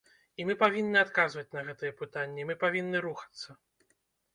І мы павінны адказваць на гэтыя пытанні, мы павінны рухацца.